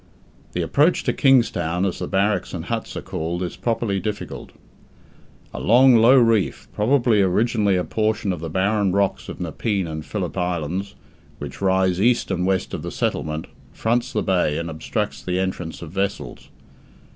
The approach to Kingstown as the barracks and huts are called is properly difficult. A long low reef probably originally a portion of the barren rocks of Nepean and Philip Islands, which rise east and west of the settlement fronts the bay and obstructs the entrance of vessels.